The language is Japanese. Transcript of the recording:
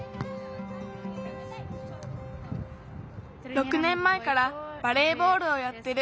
６ねんまえからバレーボールをやってる。